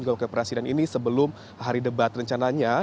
juga wakil presiden ini sebelum hari debat rencananya